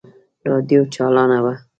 راډيو چالانه وه.